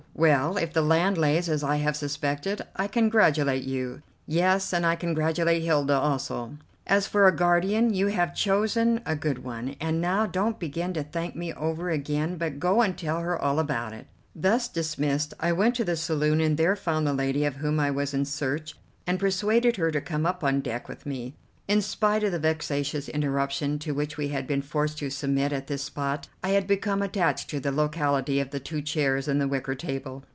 Well, if the land lays as I have suspected, I congratulate you. Yes, and I congratulate Hilda also. As for a guardian, you have chosen a good one, and now don't begin to thank me over again, but go and tell her all about it." Thus dismissed, I went to the saloon, and there found the lady of whom I was in search, and persuaded her to come up on deck with me. In spite of the vexatious interruption to which we had been forced to submit at this spot, I had become attached to the locality of the two chairs and the wicker table.